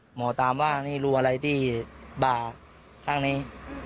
หมอตามว่านี่รูอะไรที่บ่าข้างนี้